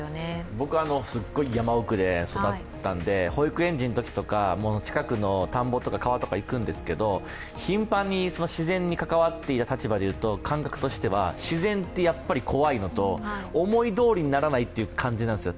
僕はすっごい山奥で育ったので、保育園児のときとか、近くの田んぼとか川とか行くんですけど頻繁に自然に関わっている立場としては、自然って、思いどおりにならないという感じなんですよ。